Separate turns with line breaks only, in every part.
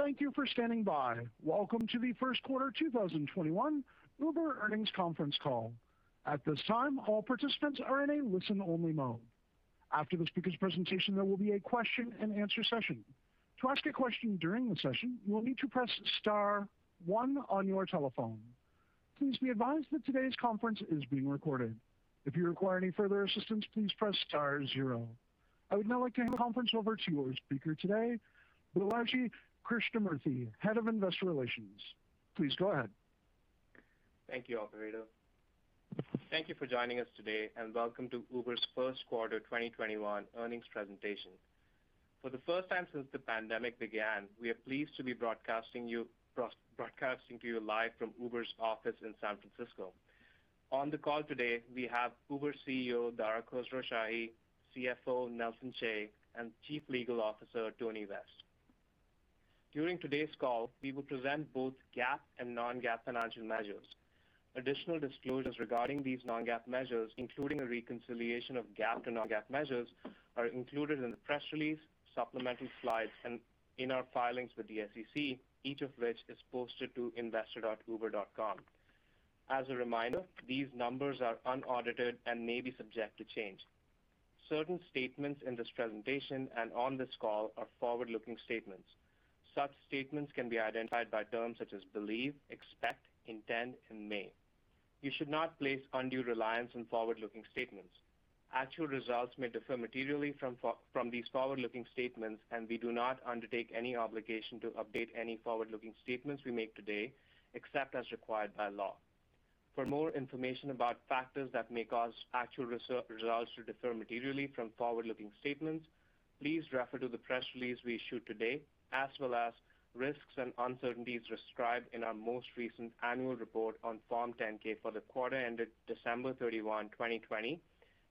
Thank you for standing by. Welcome to the First Quarter 2021 Uber Earnings Conference Call. At this time, all participants are in a listen-only mode. After the speaker's presentation, there will be a question-and-answer session. To ask a question during the session, you will need to press star one on your telephone. Please be advised that today's conference is being recorded. If you require any further assistance, please press star zero. I would now like to hand the conference over to our speaker today, Balaji Krishnamurthy, Head of Investor Relations, please go ahead.
Thank you, operator. Thank you for joining us today, and welcome to Uber's first quarter 2021 earnings presentation. For the first time since the pandemic began, we are pleased to be broadcasting to you live from Uber's office in San Francisco. On the call today, we have Uber CEO, Dara Khosrowshahi, CFO, Nelson Chai, and Chief Legal Officer, Tony West. During today's call, we will present both GAAP and non-GAAP financial measures. Additional disclosures regarding these non-GAAP measures, including a reconciliation of GAAP to non-GAAP measures, are included in the press release, supplementary slides, and in our filings with the SEC, each of which is posted to investor.uber.com. As a reminder, these numbers are unaudited and may be subject to change. Certain statements in this presentation and on this call are forward-looking statements. Such statements can be identified by terms such as believe, expect, intend, and may. You should not place undue reliance on forward-looking statements. Actual results may differ materially from these forward-looking statements, and we do not undertake any obligation to update any forward-looking statements we make today, except as required by law. For more information about factors that may cause actual results to differ materially from forward-looking statements, please refer to the press release we issued today, as well as risks and uncertainties described in our most recent annual report on Form 10-K for the quarter ended December 31, 2020,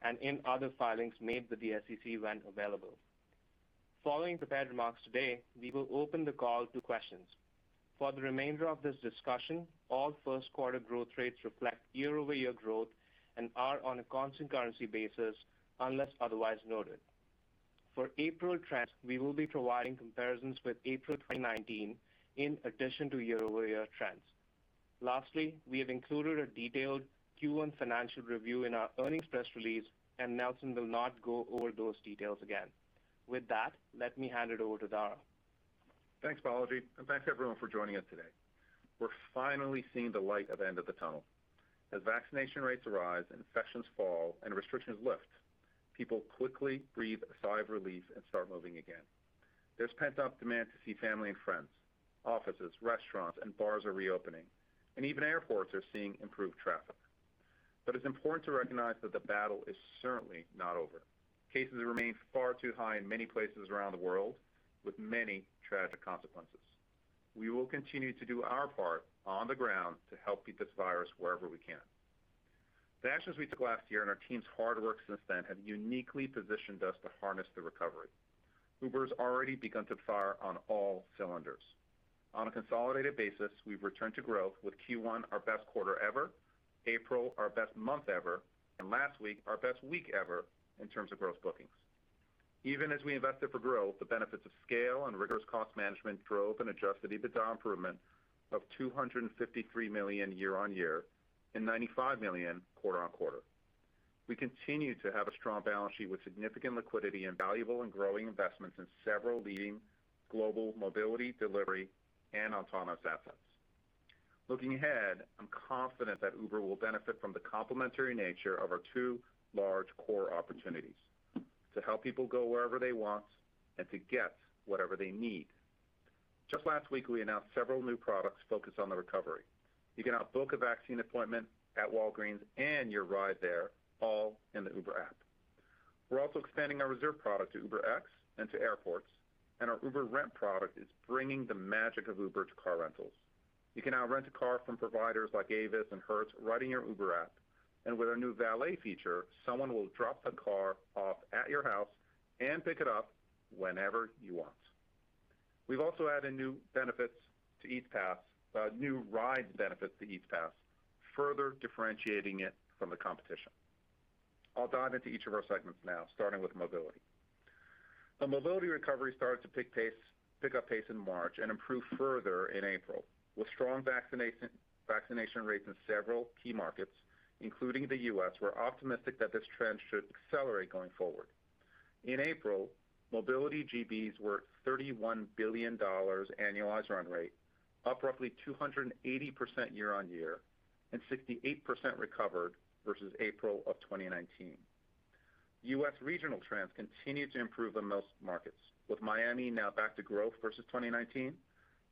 and in other filings made with the SEC when available. Following prepared remarks today, we will open the call to questions. For the remainder of this discussion, all first quarter growth rates reflect year-over-year growth and are on a constant currency basis unless otherwise noted. For April trends, we will be providing comparisons with April 2019 in addition to year-over-year trends. Lastly, we have included a detailed Q1 financial review in our earnings press release. Nelson will not go over those details again. With that, let me hand it over to Dara.
Thanks, Balaji, and thanks, everyone, for joining us today. We're finally seeing the light at the end of the tunnel. As vaccination rates rise, infections fall, and restrictions lift, people quickly breathe a sigh of relief and start moving again. There's pent-up demand to see family and friends. Offices, restaurants, and bars are reopening, and even airports are seeing improved traffic. It's important to recognize that the battle is certainly not over. Cases remain far too high in many places around the world with many tragic consequences. We will continue to do our part on the ground to help beat this virus wherever we can. The actions we took last year and our team's hard work since then have uniquely positioned us to harness the recovery. Uber has already begun to fire on all cylinders. On a consolidated basis, we've returned to growth with Q1 our best quarter ever, April our best month ever, and last week our best week ever in terms of gross bookings. Even as we invested for growth, the benefits of scale and rigorous cost management drove an adjusted EBITDA improvement of $253 million year-on-year and $95 million quarter-on-quarter. We continue to have a strong balance sheet with significant liquidity and valuable and growing investments in several leading global mobility, delivery, and autonomous assets. Looking ahead, I'm confident that Uber will benefit from the complementary nature of our two large core opportunities, to help people go wherever they want and to get whatever they need. Just last week, we announced several new products focused on the recovery. You can now book a vaccine appointment at Walgreens and your ride there, all in the Uber app. We're also expanding our Uber Reserve product to UberX and to airports. Our Uber Rent product is bringing the magic of Uber to car rentals. You can now rent a car from providers like Avis and Hertz right in your Uber app. With our new valet feature, someone will drop the car off at your house and pick it up whenever you want. We've also added new benefits to Eats Pass, new rides benefit to Eats Pass, further differentiating it from the competition. I'll dive into each of our segments now, starting with mobility. The mobility recovery started to pick up pace in March and improved further in April. With strong vaccination rates in several key markets, including the U.S., we're optimistic that this trend should accelerate going forward. In April, mobility GBs were $31 billion annualized run rate, up roughly 280% year-on-year, and 68% recovered versus April of 2019. U.S. regional trends continued to improve in most markets, with Miami now back to growth versus 2019,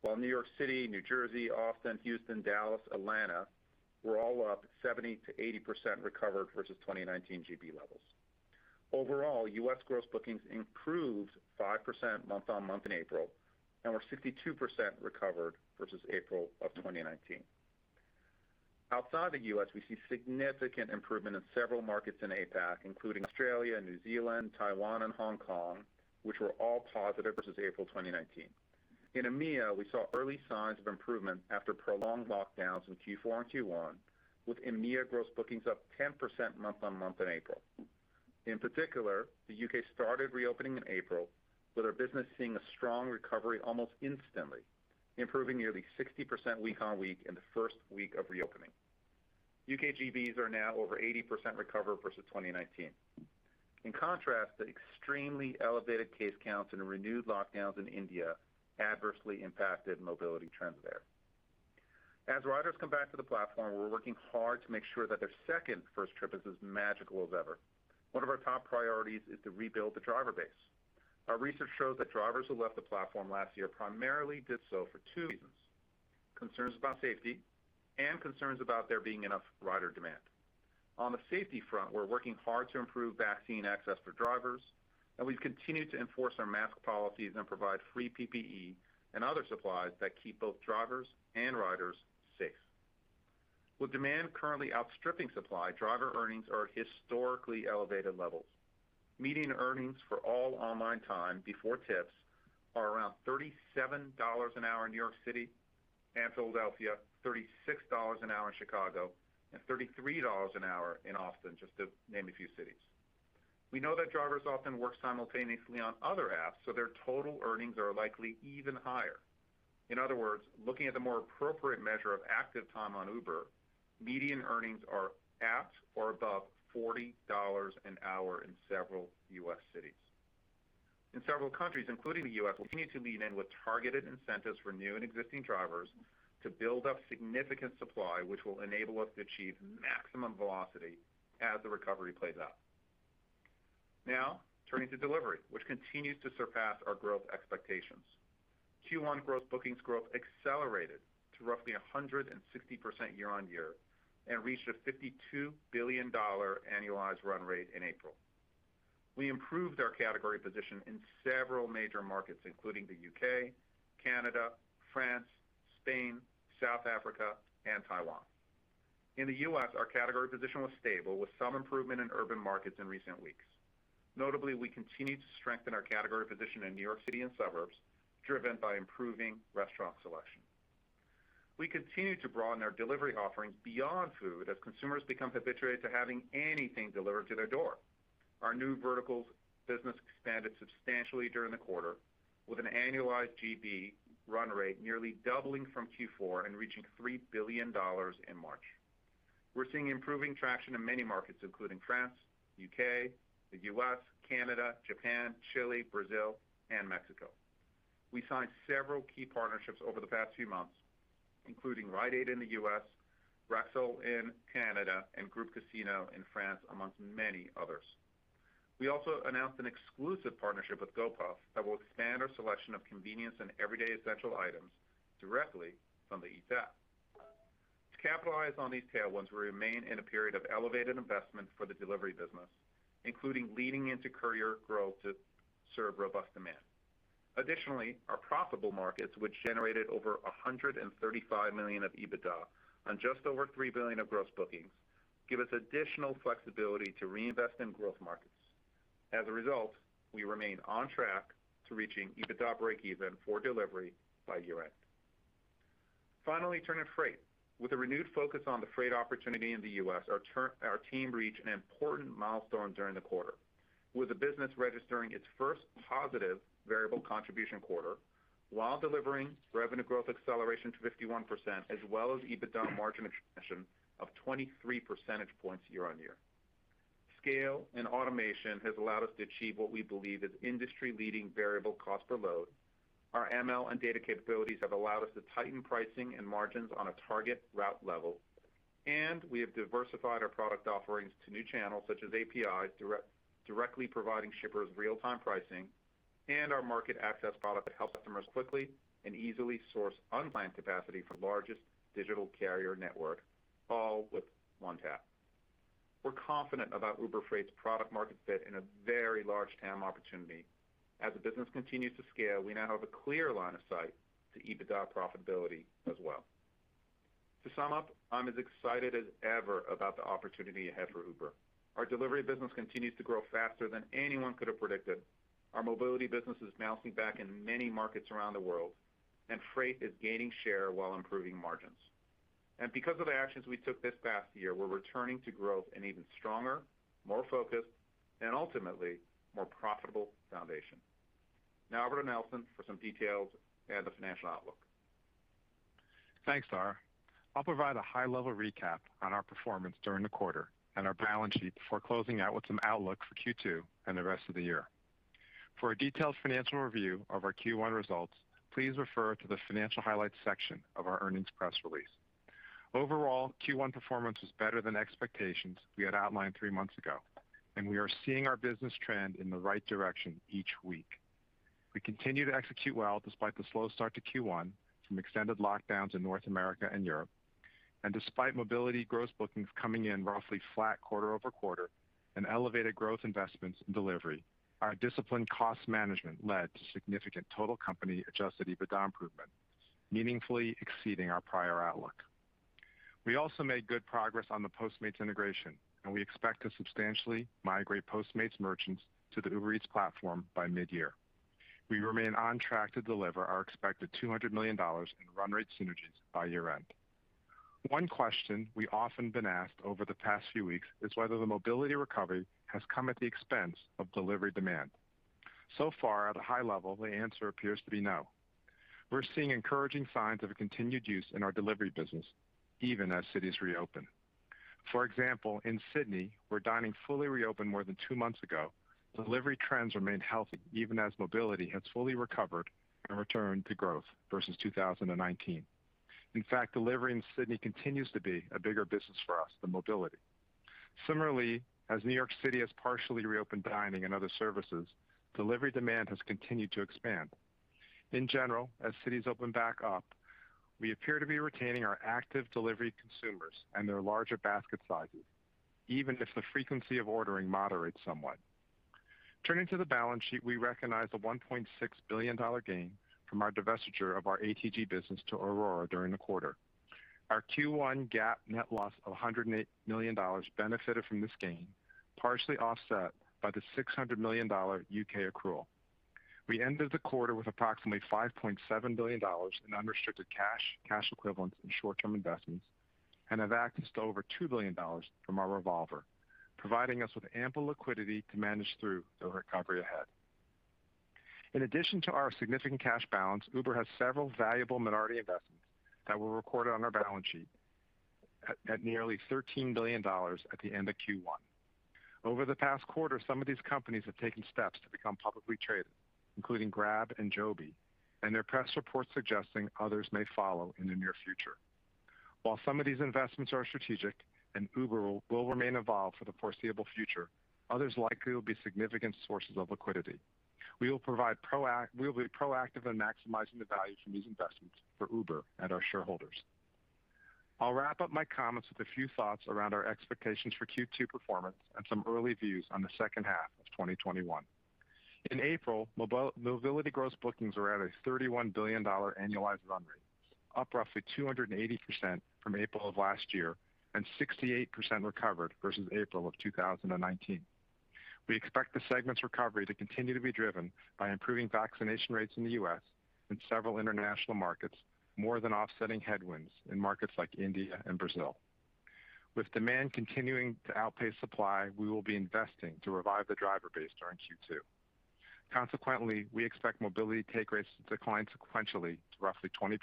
while New York City, New Jersey, Austin, Houston, Dallas, Atlanta were all up 70%-80% recovered versus 2019 GB levels. Overall, U.S. gross bookings improved 5% month-on-month in April and were 62% recovered versus April of 2019. Outside the U.S., we see significant improvement in several markets in APAC, including Australia, New Zealand, Taiwan, and Hong Kong, which were all positive versus April 2019. In EMEA, we saw early signs of improvement after prolonged lockdowns in Q4 and Q1, with EMEA gross bookings up 10% month-on-month in April. In particular, the U.K. started reopening in April, with our business seeing a strong recovery almost instantly, improving nearly 60% week-on-week in the first week of reopening. U.K. GBs are now over 80% recovered versus 2019. In contrast, the extremely elevated case counts and renewed lockdowns in India adversely impacted mobility trends there. As riders come back to the platform, we're working hard to make sure that their second first trip is as magical as ever. One of our top priorities is to rebuild the driver base. Our research shows that drivers who left the platform last year primarily did so for two reasons, concerns about safety and concerns about there being enough rider demand. On the safety front, we're working hard to improve vaccine access for drivers, and we've continued to enforce our mask policies and provide free PPE and other supplies that keep both drivers and riders safe. With demand currently outstripping supply, driver earnings are at historically elevated levels. Median earnings for all online time before tips are around $37 an hour in New York City and Philadelphia, $36 an hour in Chicago, and $33 an hour in Austin, just to name a few cities. We know that drivers often work simultaneously on other apps, so their total earnings are likely even higher. In other words, looking at the more appropriate measure of active time on Uber, median earnings are at or above $40 an hour in several U.S. cities. In several countries, including the U.S., we'll continue to lean in with targeted incentives for new and existing drivers to build up significant supply, which will enable us to achieve maximum velocity as the recovery plays out. Now, turning to delivery, which continues to surpass our growth expectations. Q1 bookings growth accelerated to roughly 160% year-on-year and reached a $52 billion annualized run rate in April. We improved our category position in several major markets, including the U.K., Canada, France, Spain, South Africa, and Taiwan. In the U.S., our category position was stable, with some improvement in urban markets in recent weeks. Notably, we continue to strengthen our category position in New York City and suburbs, driven by improving restaurant selection. We continue to broaden our delivery offerings beyond food as consumers become habituated to having anything delivered to their door. Our new verticals business expanded substantially during the quarter, with an annualized GB run rate nearly doubling from Q4 and reaching $3 billion in March. We're seeing improving traction in many markets, including France, U.K., the U.S., Canada, Japan, Chile, Brazil, and Mexico. We signed several key partnerships over the past few months, including Rite Aid in the U.S., Rexall in Canada, and Groupe Casino in France, amongst many others. We also announced an exclusive partnership with Gopuff that will expand our selection of convenience and everyday essential items directly from the Eats app. To capitalize on these tailwinds, we remain in a period of elevated investment for the delivery business, including leaning into courier growth to serve robust demand. Additionally, our profitable markets, which generated over $135 million of EBITDA on just over $3 billion of gross bookings, give us additional flexibility to reinvest in growth markets. As a result, we remain on track to reaching EBITDA breakeven for delivery by year-end. Turning to Freight, with a renewed focus on the Freight opportunity in the U.S., our team reached an important milestone during the quarter, with the business registering its first positive variable contribution quarter while delivering revenue growth acceleration to 51%, as well as EBITDA margin expansion of 23 percentage points year-on-year. Scale and automation has allowed us to achieve what we believe is industry-leading variable cost per load. Our ML and data capabilities have allowed us to tighten pricing and margins on a target route level, and we have diversified our product offerings to new channels such as APIs, directly providing shippers real-time pricing, and our market access product that helps customers quickly and easily source unplanned capacity from the largest digital carrier network, all with one tap. We're confident about Uber Freight's product market fit and a very large TAM opportunity. As the business continues to scale, we now have a clear line of sight to EBITDA profitability as well. To sum up, I'm as excited as ever about the opportunity ahead for Uber. Our delivery business continues to grow faster than anyone could have predicted. Our mobility business is bouncing back in many markets around the world, and Freight is gaining share while improving margins. Because of the actions we took this past year, we're returning to growth and even stronger, more focused, and ultimately, more profitable foundation. Now over to Nelson for some details and the financial outlook.
Thanks, Dara. I'll provide a high-level recap on our performance during the quarter and our balance sheet before closing out with some outlook for Q2 and the rest of the year. For a detailed financial review of our Q1 results, please refer to the financial highlights section of our earnings press release. Overall, Q1 performance was better than expectations we had outlined three months ago, and we are seeing our business trend in the right direction each week. We continue to execute well despite the slow start to Q1 from extended lockdowns in North America and Europe. Despite Mobility Gross Bookings coming in roughly flat quarter-over-quarter and elevated growth investments in delivery, our disciplined cost management led to significant total company adjusted EBITDA improvement, meaningfully exceeding our prior outlook. We also made good progress on the Postmates integration, and we expect to substantially migrate Postmates merchants to the Uber Eats platform by mid-year. We remain on track to deliver our expected $200 million in run rate synergies by year-end. One question we often been asked over the past few weeks is whether the mobility recovery has come at the expense of delivery demand. So far, at a high level, the answer appears to be no. We're seeing encouraging signs of a continued use in our delivery business, even as cities reopen. For example, in Sydney, where dining fully reopened more than two months ago, delivery trends remained healthy even as mobility has fully recovered and returned to growth versus 2019. In fact, delivery in Sydney continues to be a bigger business for us than mobility. Similarly, as New York City has partially reopened dining and other services, delivery demand has continued to expand. In general, as cities open back up, we appear to be retaining our active delivery consumers and their larger basket sizes, even if the frequency of ordering moderates somewhat. Turning to the balance sheet, we recognize the $1.6 billion gain from our divestiture of our ATG business to Aurora during the quarter. Our Q1 GAAP net loss of $108 million benefited from this gain, partially offset by the $600 million U.K. accrual. We ended the quarter with approximately $5.7 billion in unrestricted cash equivalents, and short-term investments, and have accessed over $2 billion from our revolver, providing us with ample liquidity to manage through the recovery ahead. In addition to our significant cash balance, Uber has several valuable minority investments that were recorded on our balance sheet at nearly $13 billion at the end of Q1. Over the past quarter, some of these companies have taken steps to become publicly traded, including Grab and Joby, and there are press reports suggesting others may follow in the near future. While some of these investments are strategic and Uber will remain involved for the foreseeable future, others likely will be significant sources of liquidity. We will be proactive in maximizing the value from these investments for Uber and our shareholders. I'll wrap up my comments with a few thoughts around our expectations for Q2 performance and some early views on the second half of 2021. In April, mobility gross bookings were at a $31 billion annualized run rate, up roughly 280% from April of last year, and 68% recovered versus April of 2019. We expect the segment's recovery to continue to be driven by improving vaccination rates in the U.S. and several international markets, more than offsetting headwinds in markets like India and Brazil. With demand continuing to outpace supply, we will be investing to revive the driver base during Q2. We expect mobility take rates to decline sequentially to roughly 20%,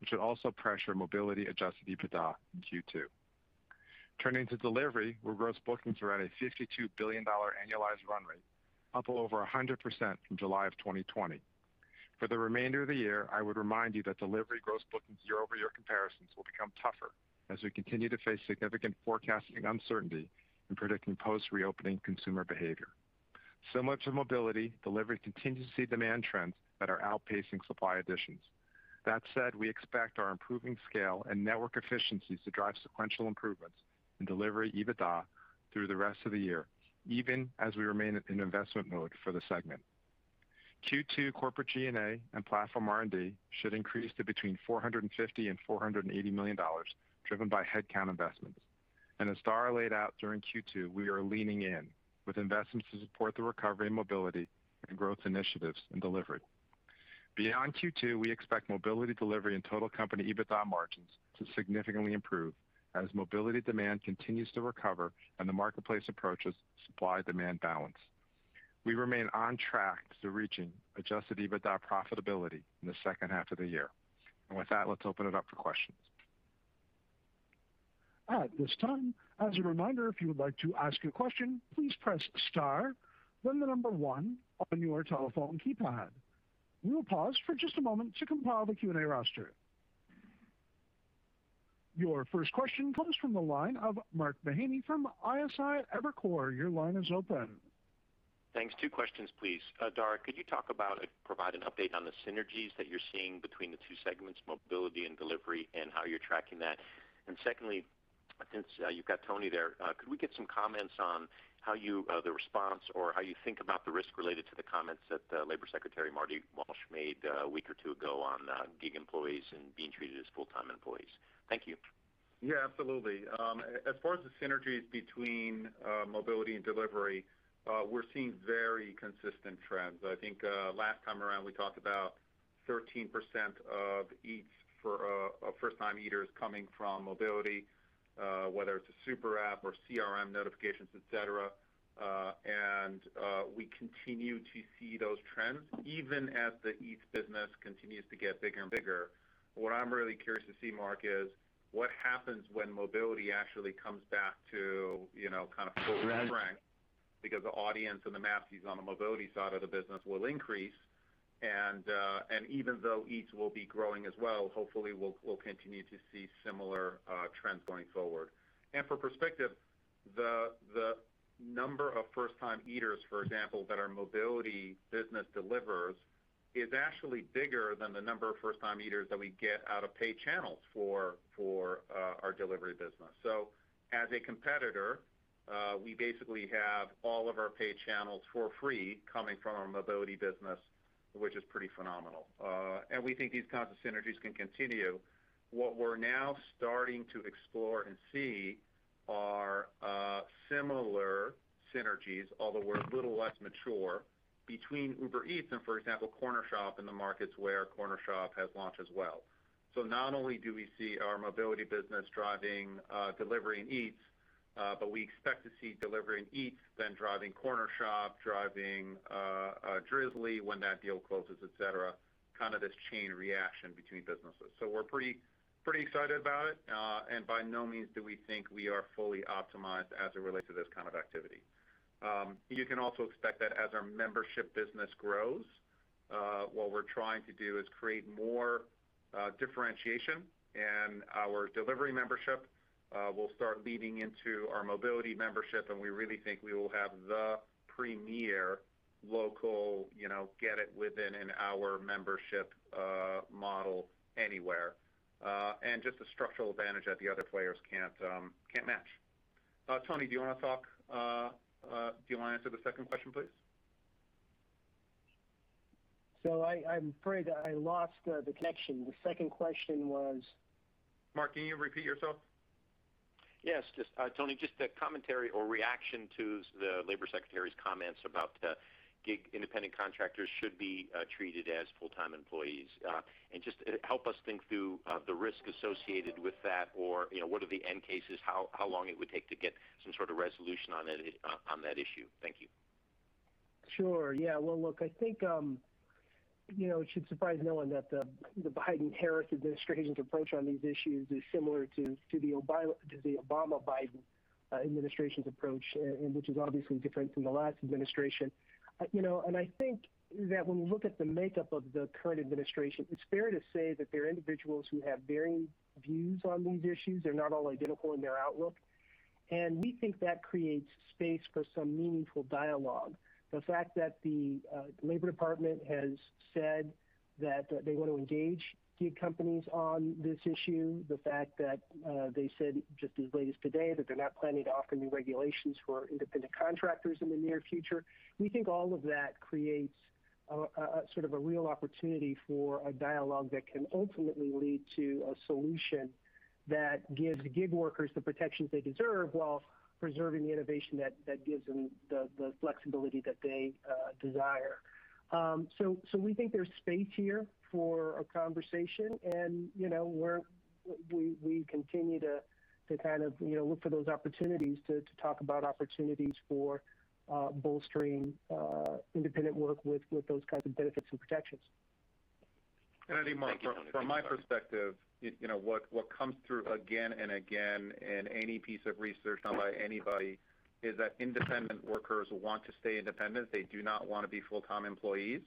which will also pressure mobility adjusted EBITDA in Q2. Turning to delivery, where gross bookings are at a $52 billion annualized run rate, up over 100% from July of 2020. For the remainder of the year, I would remind you that delivery gross bookings year-over-year comparisons will become tougher as we continue to face significant forecasting uncertainty in predicting post-reopening consumer behavior. Said, we expect our improving scale and network efficiencies to drive sequential improvements in delivery EBITDA through the rest of the year, even as we remain in investment mode for the segment. Q2 corporate G&A and platform R&D should increase to between $450 million and $480 million, driven by headcount investments. As Dara laid out during Q2, we are leaning in with investments to support the recovery in mobility and growth initiatives in delivery. Beyond Q2, we expect mobility, delivery, and total company EBITDA margins to significantly improve as mobility demand continues to recover and the marketplace approaches supply-demand balance. We remain on track to reaching adjusted EBITDA profitability in the second half of the year. With that, let's open it up for questions.
At this time, as a reminder, if you would like to ask a question, please press star then the number one on your telephone keypad. We will pause a moment to compile the Q&A roster. Your first question comes from the line of Mark Mahaney from Evercore ISI, your line is open.
Thanks, two questions, please. Dara, could you talk about or provide an update on the synergies that you're seeing between the two segments, mobility and delivery, and how you're tracking that? Secondly, since you've got Tony there, could we get some comments on the response or how you think about the risk related to the comments that Labor Secretary Marty Walsh made a week or two ago on gig employees and being treated as full-time employees? Thank you.
Yeah, absolutely. As far as the synergies between mobility and delivery, we're seeing very consistent trends. I think last time around, we talked about 13% of Eats for first-time eaters coming from mobility, whether it's a super app or CRM notifications, et cetera. We continue to see those trends even as the Eats business continues to get bigger and bigger. What I'm really curious to see, Mark, is what happens when mobility actually comes back to kind of full strength because the audience and the MAUs on the mobility side of the business will increase. Even though Eats will be growing as well, hopefully we'll continue to see similar trends going forward. For perspective, the number of first-time eaters, for example, that our mobility business delivers is actually bigger than the number of first-time eaters that we get out of paid channels for our delivery business. As a competitor, we basically have all of our paid channels for free coming from our mobility business, which is pretty phenomenal. We think these kinds of synergies can continue. What we're now starting to explore and see Are similar synergies, although we're a little less mature between Uber Eats and, for example, Cornershop in the markets where Cornershop has launched as well. Not only do we see our mobility business driving delivering Eats, but we expect to see delivering Eats then driving Cornershop, driving Drizly when that deal closes, et cetera, kind of this chain reaction between businesses. We're pretty excited about it. By no means do we think we are fully optimized as it relates to this kind of activity. You can also expect that as our membership business grows, what we're trying to do is create more differentiation and our delivery membership will start leading into our mobility membership, and we really think we will have the premier local, get it within an hour membership, model anywhere. Just a structural advantage that the other players can't match. Tony, do you want to answer the second question, please?
I'm afraid I lost the connection, the second question was?
Mark, can you repeat yourself?
Yes, Tony, just a commentary or reaction to the Labor Secretary's comments about gig independent contractors should be treated as full-time employees. Just help us think through the risk associated with that, or what are the end cases, how long it would take to get some sort of resolution on that issue? Thank you.
Sure, yeah. Well, look, I think it should surprise no one that the Biden-Harris administration's approach on these issues is similar to the Obama-Biden administration's approach, and which is obviously different from the last administration. I think that when we look at the makeup of the current administration, it's fair to say that there are individuals who have varying views on these issues. They're not all identical in their outlook. We think that creates space for some meaningful dialogue. The fact that the Labor Department has said that they want to engage gig companies on this issue, the fact that they said just as late as today that they're not planning to offer new regulations for independent contractors in the near future. We think all of that creates a real opportunity for a dialogue that can ultimately lead to a solution that gives gig workers the protections they deserve while preserving the innovation that gives them the flexibility that they desire. We think there's space here for a conversation and we continue to look for those opportunities to talk about opportunities for bolstering independent work with those kinds of benefits and protections.
I think, Mark, from my perspective, what comes through again and again in any piece of research done by anybody is that independent workers want to stay independent. They do not want to be full-time employees.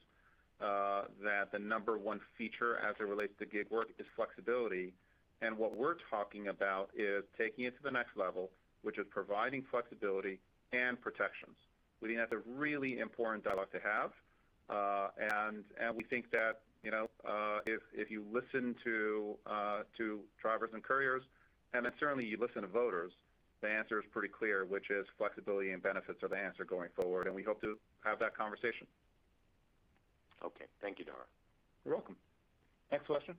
That the number one feature as it relates to gig work is flexibility, and what we're talking about is taking it to the next level, which is providing flexibility and protections. We think that's a really important dialogue to have. We think that if you listen to drivers and couriers and then certainly you listen to voters, the answer is pretty clear, which is flexibility and benefits are the answer going forward, and we hope to have that conversation.
Okay, thank you, Dara.
You're welcome, next question?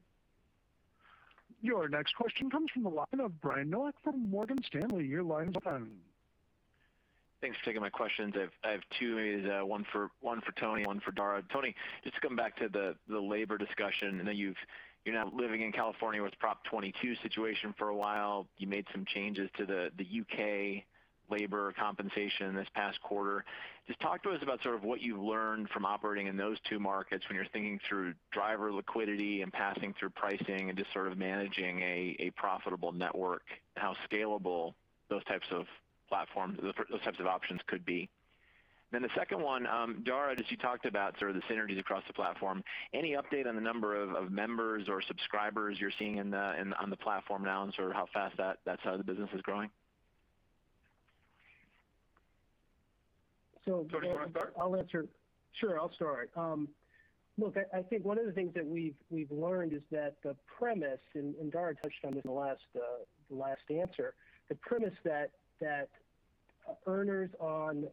Your next question comes from the line of Brian Nowak from Morgan Stanley, your line's open.
Thanks for taking my questions. I have two, one for Tony and one for Dara. Tony, just to come back to the labor discussion. I know you're now living in California with Prop 22 situation for a while. You made some changes to the U.K. labor compensation this past quarter. Just talk to us about sort of what you've learned from operating in those two markets when you're thinking through driver liquidity and passing through pricing, and just sort of managing a profitable network. How scalable those types of platforms, those types of options could be. The second one, Dara, as you talked about sort of the synergies across the platform, any update on the number of members or subscribers you're seeing on the platform now, and sort of how fast that side of the business is growing?
So-
Tony, do you want to start?
I'll answer. Sure. I'll start. Look, I think one of the things that we've learned is that the premise, and Dara touched on this in the last answer, the premise that earners on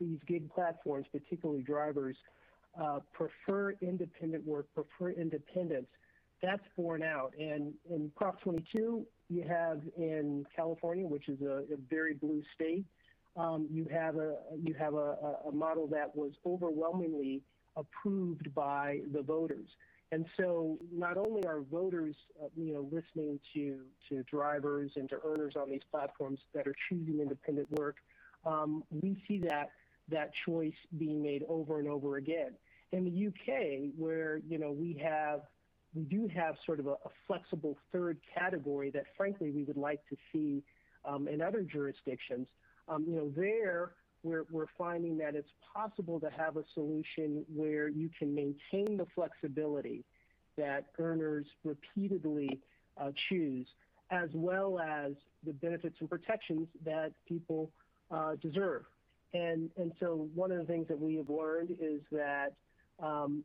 these gig platforms, particularly drivers, prefer independent work, prefer independence. That's borne out. In Prop 22, you have in California, which is a very blue state, you have a model that was overwhelmingly approved by the voters. Not only are voters listening to drivers and to earners on these platforms that are choosing independent work, we see that choice being made over and over again. In the U.K., where we do have sort of a flexible third category that frankly we would like to see in other jurisdictions. There, we're finding that it's possible to have a solution where you can maintain the flexibility that earners repeatedly choose, as well as the benefits and protections that people deserve. One of the things that we have learned is that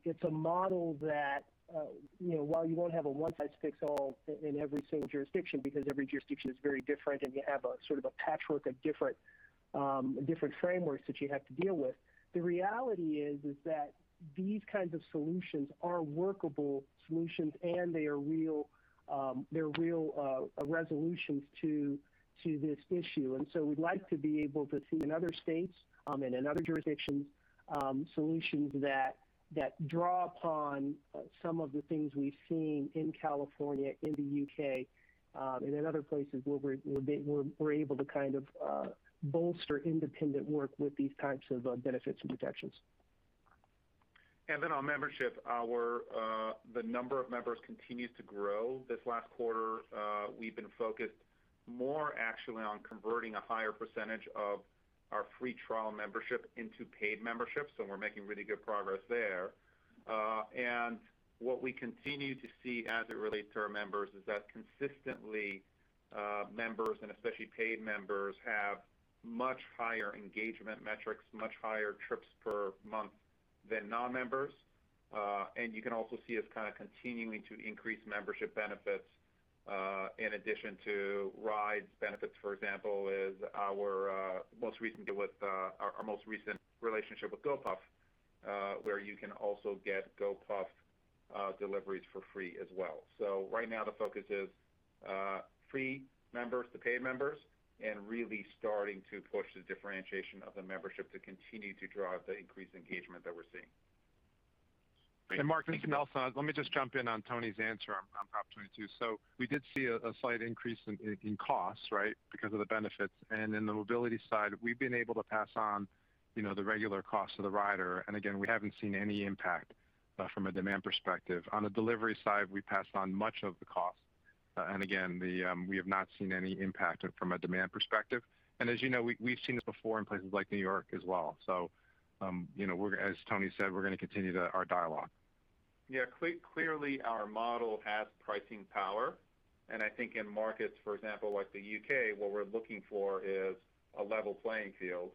it's a model that, while you won't have a one-size-fits-all in every single jurisdiction, because every jurisdiction is very different, and you have a sort of a patchwork of different frameworks that you have to deal with. The reality is that these kinds of solutions are workable solutions, and they are real resolutions to this issue. We'd like to be able to see in other states and in other jurisdictions, solutions that draw upon some of the things we've seen in California, in the U.K., and in other places where we're able to kind of bolster independent work with these types of benefits and protections.
On membership, the number of members continues to grow. This last quarter, we've been focused more actually on converting a higher percentage of our free trial membership into paid membership. We're making really good progress there. What we continue to see as it relates to our members is that consistently, members, and especially paid members, have much higher engagement metrics, much higher trips per month than non-members. You can also see us kind of continuing to increase membership benefits in addition to rides benefits. For example, is our most recent relationship with Gopuff where you can also get Gopuff deliveries for free as well. Right now the focus is free members to paid members and really starting to push the differentiation of the membership to continue to drive the increased engagement that we're seeing.
Mark, this is Nelson. Let me just jump in on Tony's answer on Prop 22. We did see a slight increase in costs because of the benefits. In the mobility side, we've been able to pass on the regular cost to the rider. Again, we haven't seen any impact from a demand perspective. On the delivery side, we passed on much of the cost. Again, we have not seen any impact from a demand perspective. As you know, we've seen this before in places like New York as well. As Tony said, we're going to continue our dialogue.
Yeah, clearly our model has pricing power, and I think in markets, for example, like the U.K., what we're looking for is a level playing field,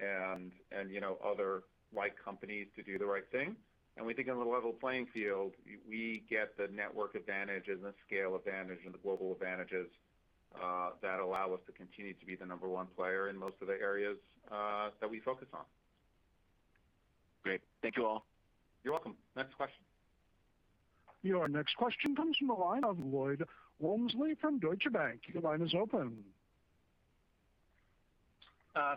and other ride companies to do the right thing. We think on the level playing field, we get the network advantages and the scale advantage and the global advantages that allow us to continue to be the number one player in most of the areas that we focus on.
Great, thank you all.
You're welcome, next question.
Your next question comes from the line of Lloyd Walmsley from Deutsche Bank, your line is open.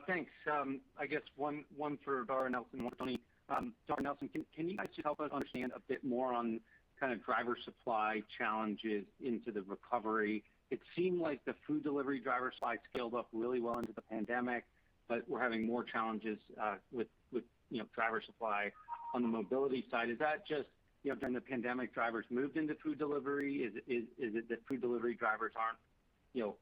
Thanks, I guess one for Dara, and one for Tony. Dara, can you guys help us understand a bit more on kind of driver supply challenges into the recovery? It seemed like the food delivery driver supply scaled up really well into the pandemic, but we're having more challenges with driver supply on the mobility side. Is that just during the pandemic, drivers moved into food delivery? Is it that food delivery drivers aren't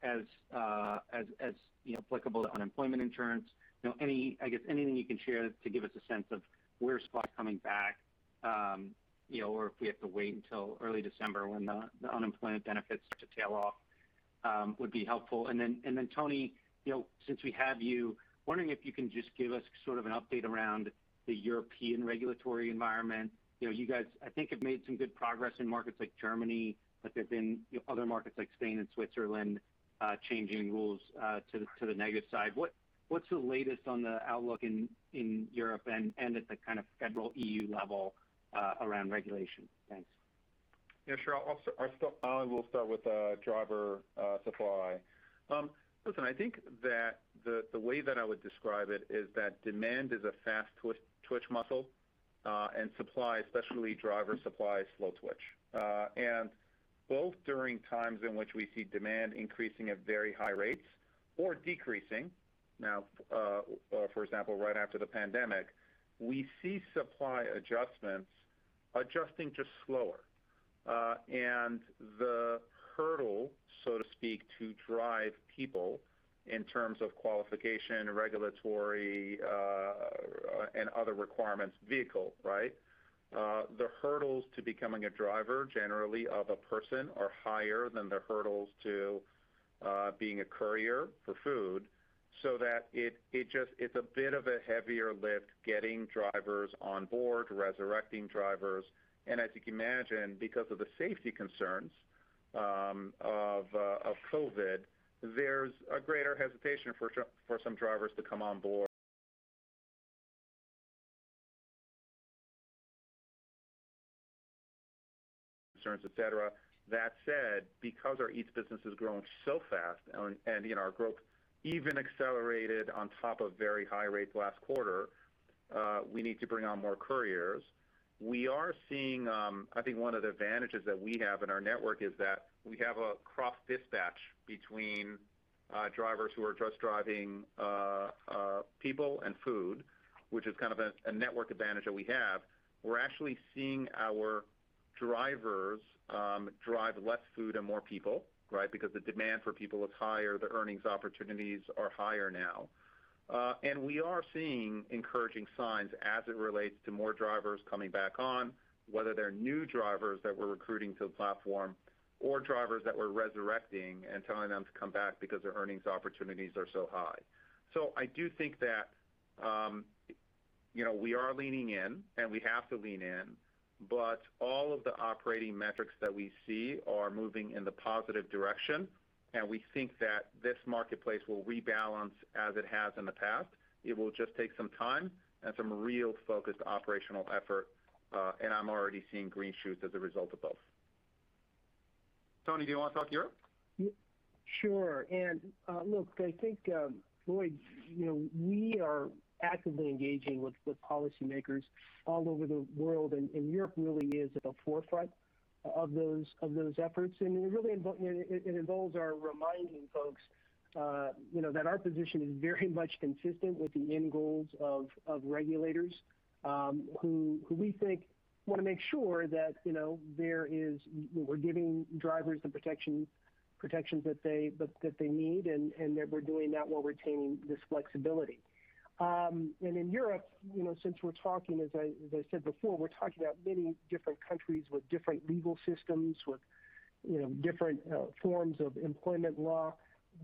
as applicable to unemployment insurance? I guess anything you can share to give us a sense of where supply is coming back, or if we have to wait until early December when the unemployment benefits start to tail off would be helpful. Then Tony, since we have you, wondering if you can just give us sort of an update around the European regulatory environment. You guys, I think have made some good progress in markets like Germany, there's been other markets like Spain and Switzerland changing rules to the negative side. What's the latest on the outlook in Europe and at the kind of federal E.U. level around regulation? Thanks.
Yeah, sure. I will start with driver supply. Listen, I think that the way that I would describe it is that demand is a fast twitch muscle and supply, especially driver supply, is slow twitch. Both during times in which we see demand increasing at very high rates or decreasing, now for example, right after the pandemic, we see supply adjustments adjusting just slower. The hurdle, so to speak, to drive people in terms of qualification, regulatory, and other requirements, vehicle, right? The hurdles to becoming a driver, generally of a person, are higher than the hurdles to being a courier for food. It's a bit of a heavier lift getting drivers on board, resurrecting drivers. As you can imagine, because of the safety concerns of COVID, there's a greater hesitation for some drivers to come on board concerns, et cetera. That said, because our Uber Eats business has grown so fast and our growth even accelerated on top of very high rates last quarter, we need to bring on more couriers. We are seeing, I think one of the advantages that we have in our network is that we have a cross-dispatch between drivers who are just driving people and food, which is kind of a network advantage that we have. We're actually seeing our drivers drive less food and more people. The demand for people is higher; the earnings opportunities are higher now. We are seeing encouraging signs as it relates to more drivers coming back on, whether they're new drivers that we're recruiting to the platform or drivers that we're resurrecting and telling them to come back because their earnings opportunities are so high. I do think that we are leaning in, and we have to lean in, but all of the operating metrics that we see are moving in the positive direction, and we think that this marketplace will rebalance as it has in the past. It will just take some time and some real focused operational effort, and I'm already seeing green shoots as a result of both. Tony, do you want to talk Europe?
Sure, look, I think, Lloyd, we are actively engaging with policymakers all over the world. Europe really is at the forefront of those efforts. It involves our reminding folks that our position is very much consistent with the end goals of regulators, who we think want to make sure that we're giving drivers the protections that they need, and that we're doing that while retaining this flexibility. In Europe, since as I said before, we're talking about many different countries with different legal systems, with different forms of employment law.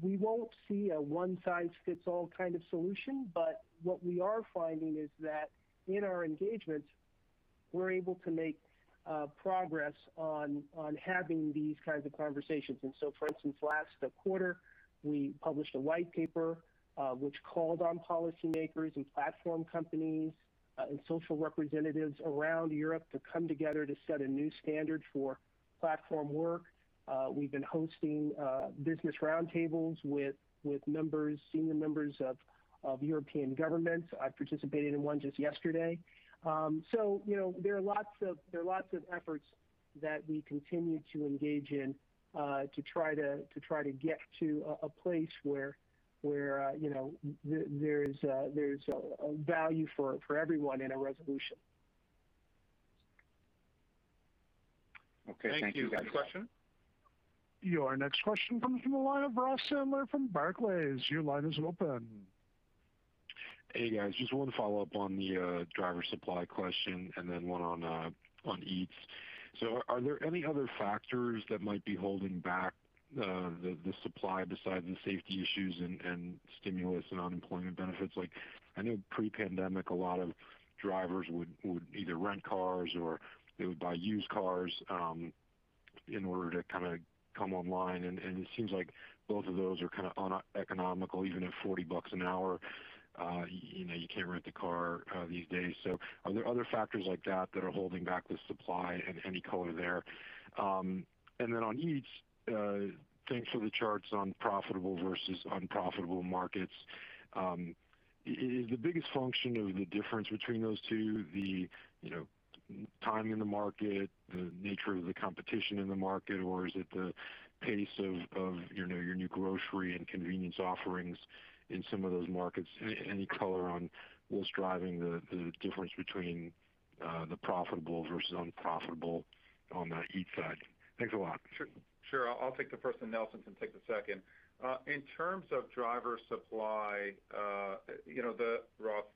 We won't see a one-size-fits-all kind of solution. What we are finding is that in our engagements, we're able to make progress on having these kinds of conversations. For instance, last quarter, we published a white paper, which called on policymakers and platform companies, and social representatives around Europe to come together to set a new standard for platform work. We've been hosting business roundtables with senior members of European governments. I participated in one just yesterday. There are lots of efforts that we continue to engage in to try to get to a place where there is a value for everyone in a resolution.
Okay, thank you, guys.
Thank you, next question?
Your next question comes from the line of Ross Sandler from Barclays, your line is open.
Hey, guys, just one follow-up on the driver supply question, then one on Eats. Are there any other factors that might be holding back the supply besides the safety issues and stimulus and unemployment benefits? I know pre-pandemic, a lot of drivers would either rent cars or they would buy used cars in order to come online, and it seems like both of those are uneconomical, even at $40 an hour. You can't rent a car these days. Are there other factors like that that are holding back the supply and any color there? On Eats, thanks for the charts on profitable versus unprofitable markets. Is the biggest function of the difference between those two, the time in the market, the nature of the competition in the market, or is it the pace of your new grocery and convenience offerings in some of those markets? Any color on what's driving the difference between the profitable versus unprofitable on the Eats side? Thanks a lot.
Sure, I'll take the first, then Nelson can take the second. In terms of driver supply, Ross,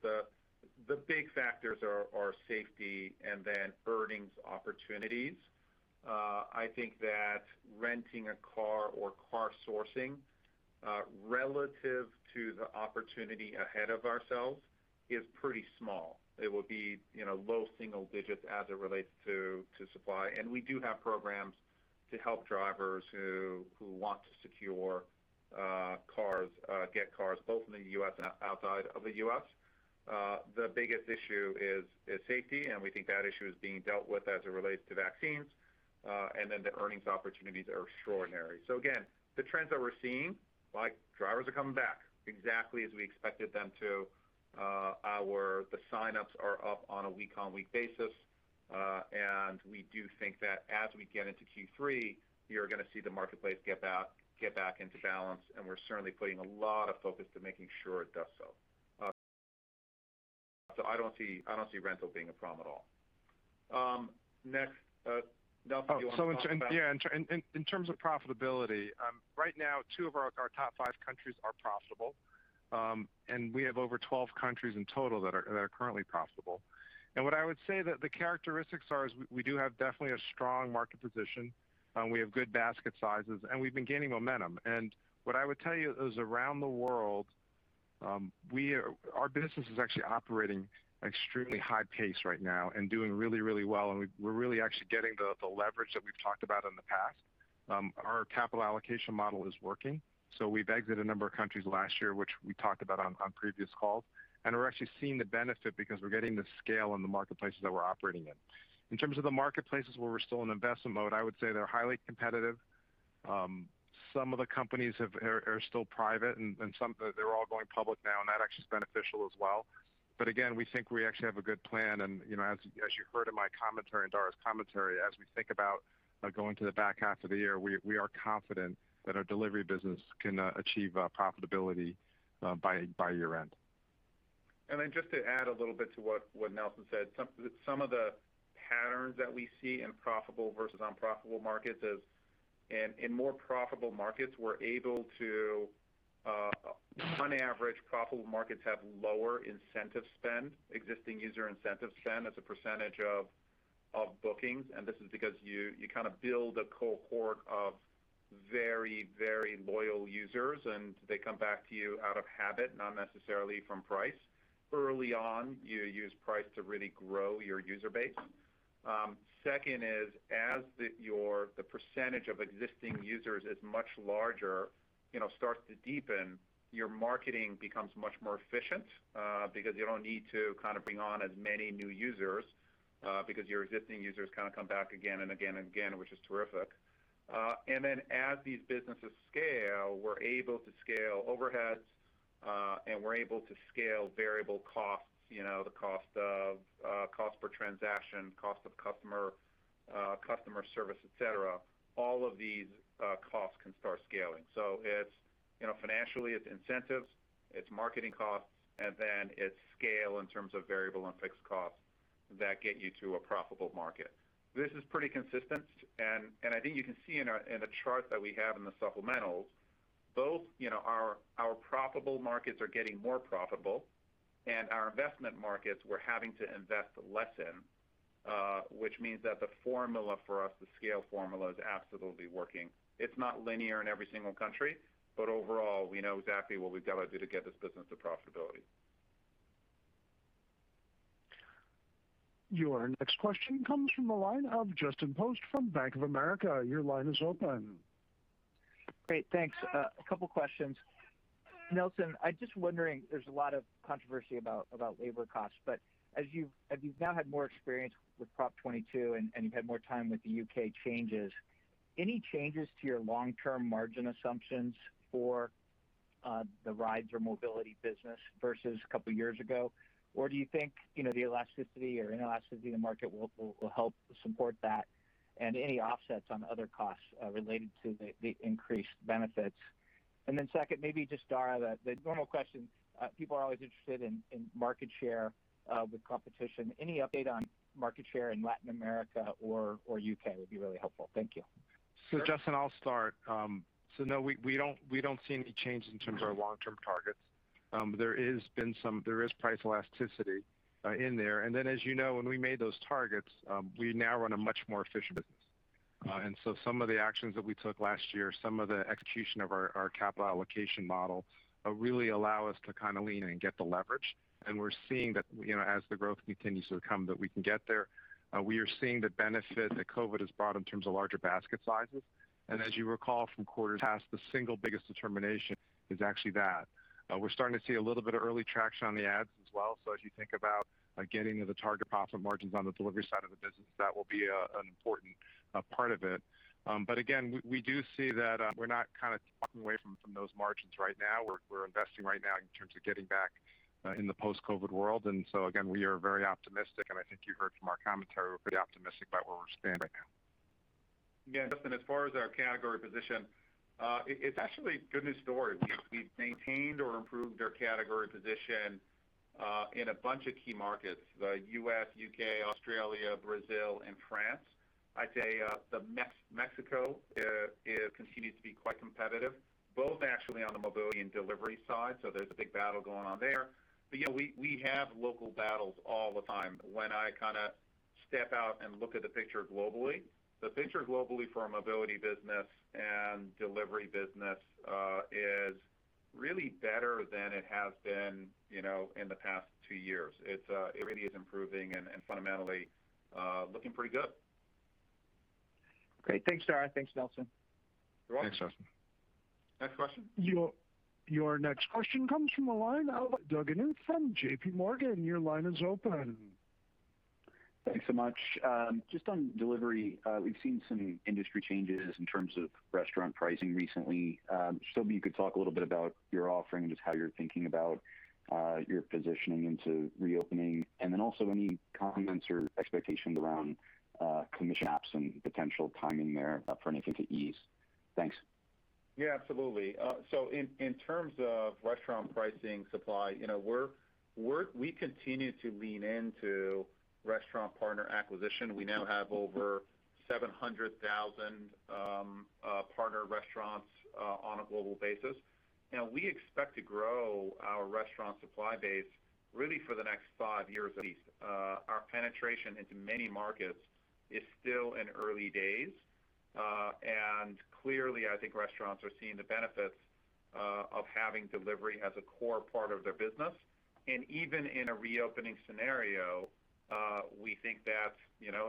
the big factors are safety and then earnings opportunities. I think that renting a car or car sourcing, relative to the opportunity ahead of ourselves, is pretty small. It would be low single digits as it relates to supply. We do have programs to help drivers who want to secure cars, get cars, both in the U.S. and outside of the U.S. The biggest issue is safety, and we think that issue is being dealt with as it relates to vaccines. Then the earnings opportunities are extraordinary. Again, the trends that we're seeing, like drivers are coming back exactly as we expected them to. The sign-ups are up on a week-on-week basis. We do think that as we get into Q3, you're going to see the marketplace get back into balance, and we're certainly putting a lot of focus to making sure it does so. I don't see rental being a problem at all. Next, Nelson, do you want to talk about-
Oh, yeah, in terms of profitability, right now, two of our top five countries are profitable. We have over 12 countries in total that are currently profitable. What I would say that the characteristics are, is we do have definitely a strong market position. We have good basket sizes, and we've been gaining momentum. What I would tell you is around the world, our business is actually operating extremely high pace right now and doing really well, and we're really actually getting the leverage that we've talked about in the past. Our capital allocation model is working. We've exited a number of countries last year, which we talked about on previous calls, and we're actually seeing the benefit because we're getting the scale in the marketplaces that we're operating in. In terms of the marketplaces where we're still in investment mode, I would say they're highly competitive. Some of the companies are still private and they're all going public now. That actually is beneficial as well. Again, we think we actually have a good plan, and as you heard in my commentary and Dara's commentary, as we think about going to the back half of the year, we are confident that our delivery business can achieve profitability by year-end.
Just to add a little bit to what Nelson said. Some of the patterns that we see in profitable versus unprofitable markets is, in more profitable markets, on average, profitable markets have lower incentive spend, existing user incentive spend as a percentage of bookings. This is because you build a cohort of very loyal users, and they come back to you out of habit, not necessarily from price. Early on, you use price to really grow your user base. Second is, as the percentage of existing users is much larger, starts to deepen, your marketing becomes much more efficient, because you don't need to bring on as many new users, because your existing users come back again and again, which is terrific. As these businesses scale, we're able to scale overheads, and we're able to scale variable costs, the cost per transaction, cost of customer service, et cetera. All of these costs can start scaling. Financially, it's incentives, it's marketing costs, and then it's scale in terms of variable and fixed costs that get you to a profitable market. This is pretty consistent, and I think you can see in the chart that we have in the supplementals, both our profitable markets are getting more profitable, and our investment markets, we're having to invest less in, which means that the formula for us, the scale formula, is absolutely working. It's not linear in every single country, overall, we know exactly what we've got to do to get this business to profitability.
Your next question comes from the line of Justin Post from Bank of America, your line is open.
Great, thanks, a couple questions. Nelson, I'm just wondering, there's a lot of controversy about labor costs, but as you've now had more experience with Prop 22 and you've had more time with the U.K. changes, any changes to your long-term margin assumptions for the rides or mobility business versus a couple of years ago? Or do you think, the elasticity or inelasticity of the market will help support that? Any offsets on other costs related to the increased benefits? Second, maybe just Dara, the normal question, people are always interested in market share with competition. Any update on market share in Latin America or U.K. would be really helpful? Thank you.
Justin, I'll start. No, we don't see any change in terms of our long-term targets. There is price elasticity in there, as you know, when we made those targets, we now run a much more efficient business. Some of the actions that we took last year, some of the execution of our capital allocation model, really allow us to lean in and get the leverage. We're seeing that as the growth continues to come, that we can get there. We are seeing the benefit that COVID has brought in terms of larger basket sizes. As you recall from quarters past, the single biggest determination is actually that. We're starting to see a little bit of early traction on the ads as well. As you think about getting to the target profit margins on the delivery side of the business, that will be an important part of it. Again, we do see that we're not walking away from those margins right now. We're investing right now in terms of getting back in the post-COVID world. Again, we are very optimistic, and I think you heard from our commentary, we're pretty optimistic about where we stand right now.
Yeah, Justin, as far as our category position, it's actually good news story. We've maintained or improved our category position, in a bunch of key markets, the U.S., U.K., Australia, Brazil, and France. I'd say, Mexico continues to be quite competitive, both actually on the mobility and delivery side, so there's a big battle going on there. We have local battles all the time. When I step out and look at the picture globally, the picture globally for our mobility business and delivery business is really better than it has been, in the past two years. It really is improving and fundamentally looking pretty good.
Great, thanks, Dara, thanks, Nelson.
Thanks, Justin.
Next question?
Your next question comes from the line of Doug Anmuth from J.P. Morgan, your line is open.
Thanks so much. Just on delivery, we've seen some industry changes in terms of restaurant pricing recently. Just hoping you could talk a little bit about your offering and just how you're thinking about your positioning into reopening, and then also any comments or expectations around commission apps and potential timing there for anything to ease? Thanks.
Yeah, absolutely, in terms of restaurant pricing supply, we continue to lean into restaurant partner acquisition. We now have over 700,000 partner restaurants on a global basis. We expect to grow our restaurant supply base really for the next five years at least. Our penetration into many markets is still in early days. Clearly, I think restaurants are seeing the benefits of having delivery as a core part of their business. Even in a reopening scenario, we think that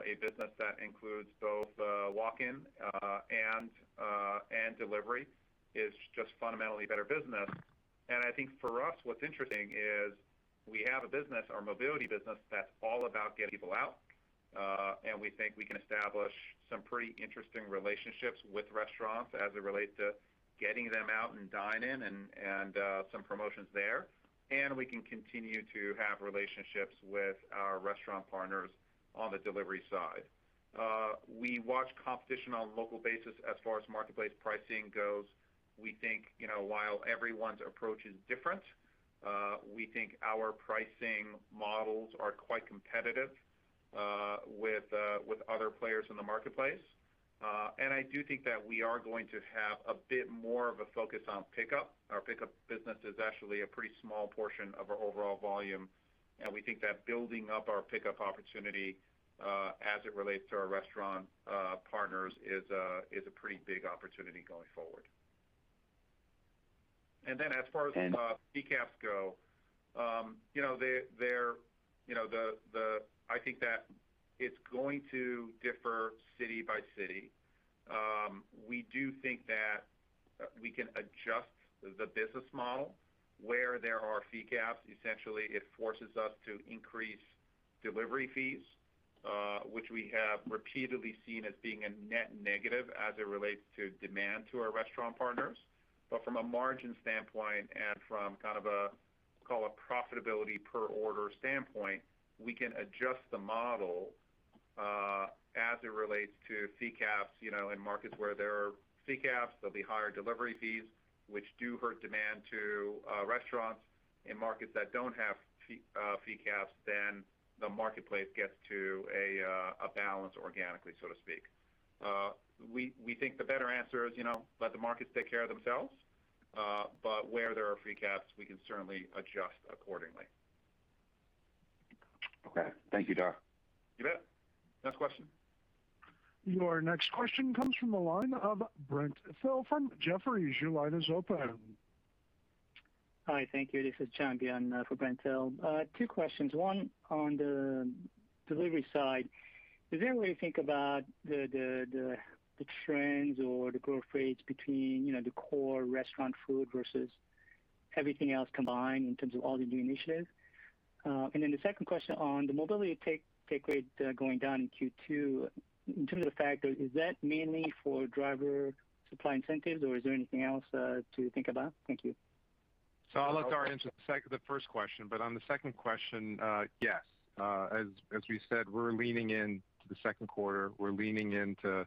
a business that includes both walk-in and delivery is just fundamentally better business. I think for us, what's interesting is we have a business, our mobility business, that's all about getting people out. We think we can establish some pretty interesting relationships with restaurants as it relates to getting them out and dine in and some promotions there. We can continue to have relationships with our restaurant partners on the delivery side. We watch competition on a local basis as far as marketplace pricing goes. We think, while everyone's approach is different, we think our pricing models are quite competitive with other players in the marketplace. I do think that we are going to have a bit more of a focus on pickup. Our pickup business is actually a pretty small portion of our overall volume, and we think that building up our pickup opportunity, as it relates to our restaurant partners is a pretty big opportunity going forward. As far as fee caps go, I think that it's going to differ city by city. We do think that we can adjust the business model where there are fee caps. Essentially, it forces us to increase delivery fees, which we have repeatedly seen as being a net negative as it relates to demand to our restaurant partners. From a margin standpoint and from a profitability per order standpoint, we can adjust the model, as it relates to fee caps. In markets where there are fee caps, there'll be higher delivery fees, which do hurt demand to restaurants. In markets that don't have fee caps, the marketplace gets to a balance organically, so to speak. We think the better answer is let the markets take care of themselves. Where there are fee caps, we can certainly adjust accordingly.
Okay, thank you, Dar.
You bet, next question.
Your next question comes from the line of Brent Thill from Jefferies, your line is open.
Hi, thank you, this is John Byun for Brent Thill. Two questions, one on the delivery side, is there a way to think about the trends or the growth rates between the core restaurant food versus everything else combined in terms of all the new initiatives? The second question on the mobility take rate going down in Q2, in terms of the factor, is that mainly for driver supply incentives or is there anything else to think about? Thank you.
I'll let Dar answer the first question, but on the second question, yes. As we said, we're leaning into the second quarter. We're leaning into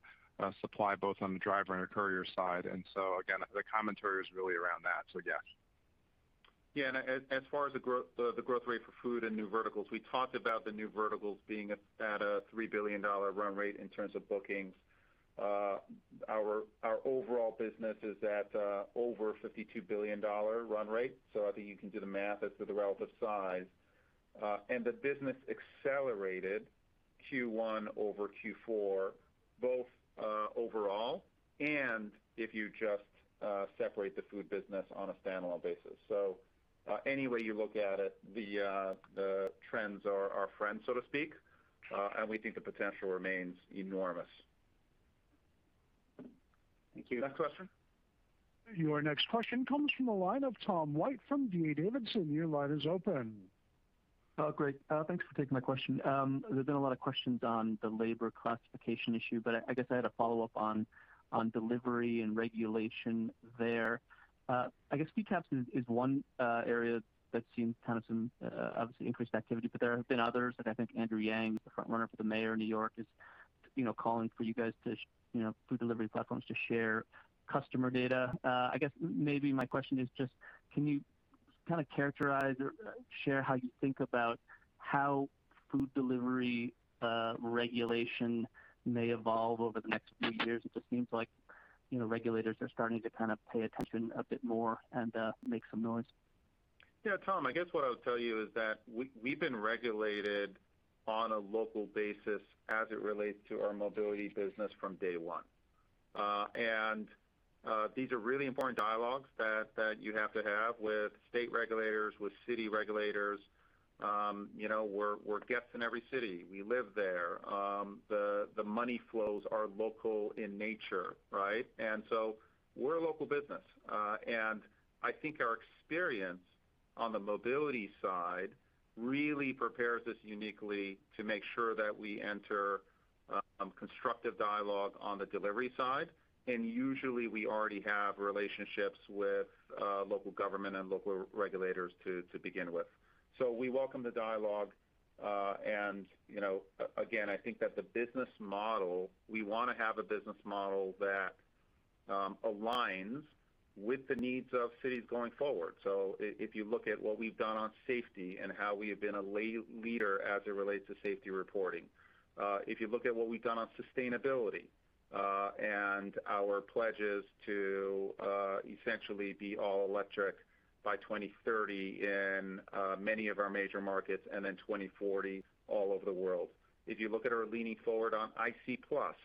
supply both on the driver and the courier side. Again, the commentary is really around that, yes.
Yeah, as far as the growth rate for food and new verticals, we talked about the new verticals being at a $3 billion run rate in terms of bookings. Our overall business is at over $52 billion run rate. I think you can do the math as to the relative size. The business accelerated Q1 over Q4, both overall and if you just separate the food business on a standalone basis. Any way you look at it, the trends are our friends, so to speak. We think the potential remains enormous.
Thank you.
Next question?
Your next question comes from the line of Tom White from D.A. Davidson, your line is open.
Oh, great, thanks for taking my question. There's been a lot of questions on the labor classification issue. I guess I had a follow-up on delivery and regulation there. I guess fee caps is one area that seems kind of some obviously increased activity. There have been others that I think Andrew Yang, the front runner for the Mayor of New York, is calling for you guys, food delivery platforms, to share customer data. I guess maybe my question is just can you kind of characterize or share how you think about how food delivery regulation may evolve over the next few years? It just seems like regulators are starting to kind of pay attention a bit more and make some noise.
Yeah, Tom, I guess what I would tell you is that we've been regulated on a local basis as it relates to our mobility business from day one. These are really important dialogues that you have to have with state regulators, with city regulators. We're guests in every city, we live there. The money flows are local in nature, right? We're a local business. I think our experience on the mobility side really prepares us uniquely to make sure that we enter a constructive dialogue on the delivery side. Usually, we already have relationships with local government and local regulators to begin with. We welcome the dialogue. Again, I think that the business model, we want to have a business model that aligns with the needs of cities going forward. If you look at what we've done on safety and how we have been a leader as it relates to safety reporting. If you look at what we've done on sustainability, and our pledges to essentially be all electric by 2030 in many of our major markets and then 2040 all over the world. If you look at our leaning forward on IC Plus,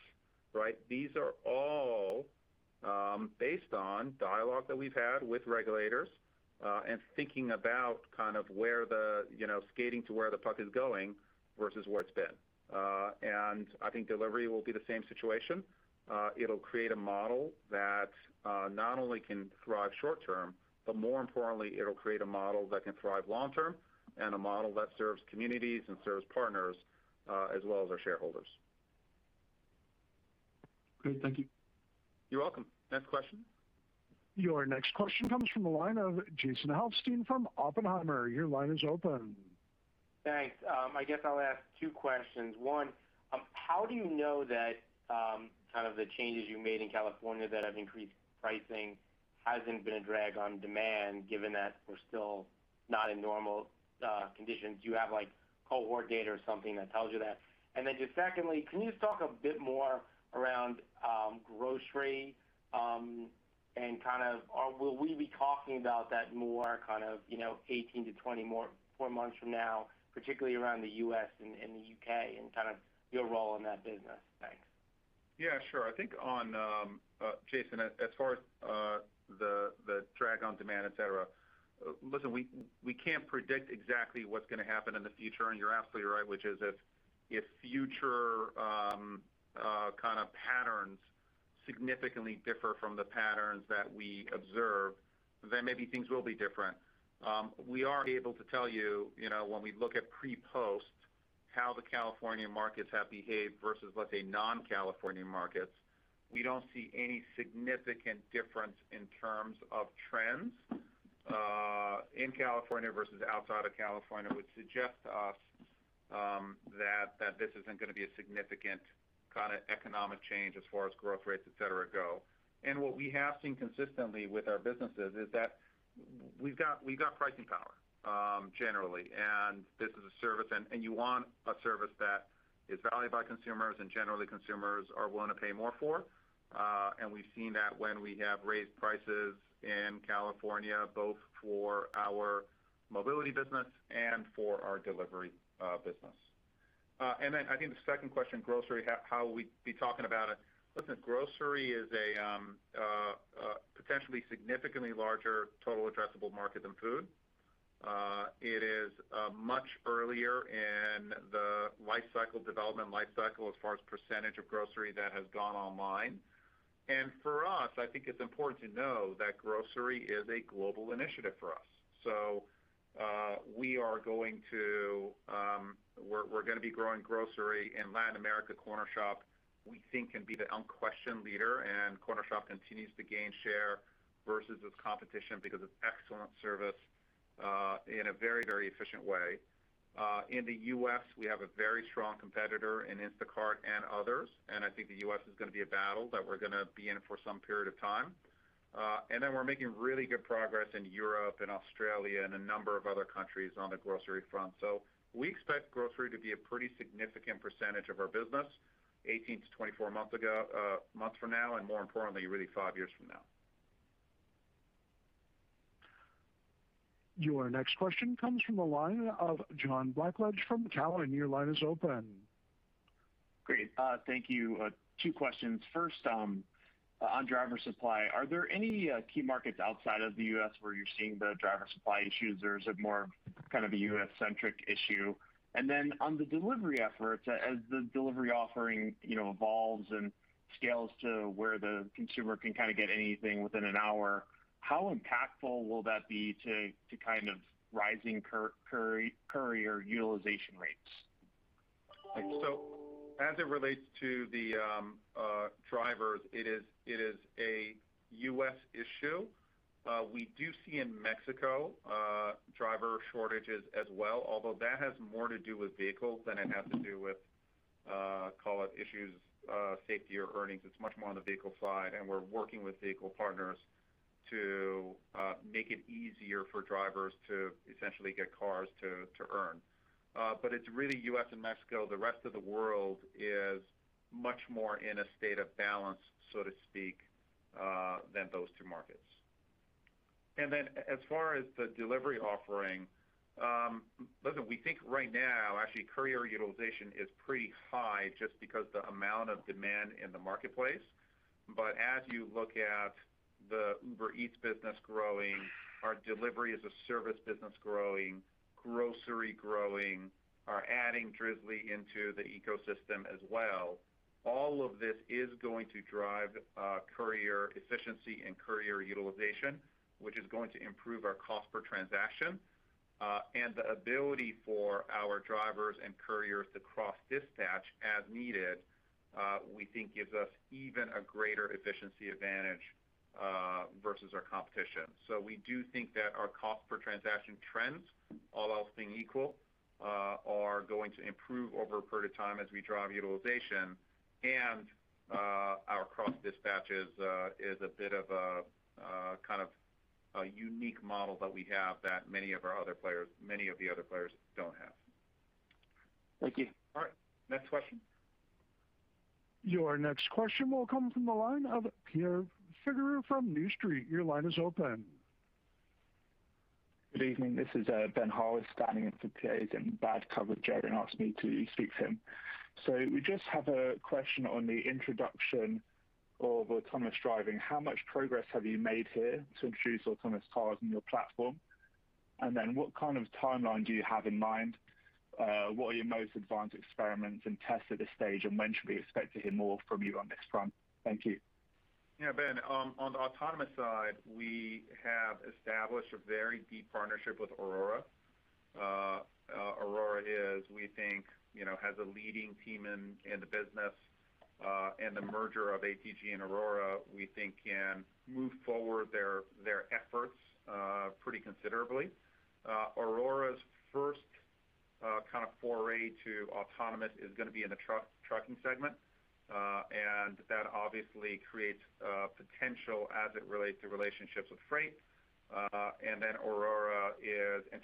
right? These are all based on dialogue that we have had with regulators, and thinking about skating to where the puck is going versus where it has been. I think delivery will be the same situation. It will create a model that not only can thrive short-term, but more importantly, it will create a model that can thrive long-term and a model that serves communities and serves partners, as well as our shareholders.
Great, thank you.
You're welcome, next question?
Your next question comes from the line of Jason Helfstein from Oppenheimer, your line is open.
Thanks, I guess I'll ask two questions. One, how do you know that the changes you made in California that have increased pricing hasn't been a drag on demand, given that we're still not in normal conditions? Do you have cohort data or something that tells you that? Secondly, can you just talk a bit more around grocery, and will we be talking about that more 18 months to 24 months from now, particularly around the U.S. and the U.K., and your role in that business? Thanks.
Yeah, sure. I think, Jason, as far as the drag on demand, et cetera, listen, we can't predict exactly what's going to happen in the future, and you're absolutely right, which is if future patterns significantly differ from the patterns that we observe, then maybe things will be different. We are able to tell you, when we look at pre/post, how the California markets have behaved versus, let's say, non-California markets. We don't see any significant difference in terms of trends in California versus outside of California, which suggests to us that this isn't going to be a significant kind of economic change as far as growth rates, et cetera, go. What we have seen consistently with our businesses is that we've got pricing power, generally, and this is a service, and you want a service that is valued by consumers and generally consumers are willing to pay more for. We've seen that when we have raised prices in California, both for our mobility business and for our delivery business. I think the second question, grocery, how we'll be talking about it. Listen, grocery is a potentially significantly larger total addressable market than food. It is much earlier in the development life cycle as far as percentage of grocery that has gone online. For us, I think it's important to know that grocery is a global initiative for us. We're going to be growing grocery in Latin America. Cornershop, we think, can be the unquestioned leader, and Cornershop continues to gain share versus its competition because of excellent service in a very efficient way. In the U.S., we have a very strong competitor in Instacart and others, and I think the U.S. is going to be a battle that we're going to be in for some period of time. We're making really good progress in Europe and Australia and a number of other countries on the grocery front. We expect grocery to be a pretty significant percentage of our business 18-24 months from now, and more importantly, really five years from now.
Your next question comes from the line of John Blackledge from TD Cowen, your line is open.
Great, thank you, two questions. First, on driver supply, are there any key markets outside of the U.S. where you're seeing the driver supply issues, or is it more a U.S.-centric issue? On the delivery efforts, as the delivery offering evolves and scales to where the consumer can get anything within an hour, how impactful will that be to rising courier utilization rates?
As it relates to the drivers, it is a U.S. issue. We do see in Mexico driver shortages as well, although that has more to do with vehicles than it has to do with call it issues, safety, or earnings. It's much more on the vehicle side, and we're working with vehicle partners to make it easier for drivers to essentially get cars to earn. It's really U.S. and Mexico. The rest of the world is much more in a state of balance, so to speak, than those two markets. As far as the delivery offering, listen, we think right now, actually, courier utilization is pretty high just because the amount of demand in the marketplace. As you look at the Uber Eats business growing, our delivery as a service business growing, grocery growing, are adding Drizly into the ecosystem as well, all of this is going to drive courier efficiency and courier utilization, which is going to improve our cost per transaction. The ability for our drivers and couriers to cross-dispatch as needed, we think gives us even a greater efficiency advantage versus our competition. We do think that our cost per transaction trends, all else being equal, are going to improve over a period of time as we drive utilization. Our cross-dispatch is a bit of a unique model that we have that many of the other players don't have.
Thank you.
All right. Next question.
Your next question will come from the line of Pierre Ferragu from New Street Research, your line is open.
Good evening, this is Ben Harwood standing in for Pierre. He's in bad cover, so [Dara] asked me to speak to him. We just have a question on the introduction of autonomous driving. How much progress have you made here to introduce autonomous cars in your platform? What kind of timeline do you have in mind? What are your most advanced experiments and tests at this stage, and when should we expect to hear more from you on this front? Thank you.
Yeah, Ben, on the autonomous side, we have established a very deep partnership with Aurora. Aurora, we think, has a leading team in the business. The merger of ATG and Aurora, we think can move forward their efforts pretty considerably. Aurora's first foray to autonomous is going to be in the trucking segment. That obviously creates potential as it relates to relationships with freight.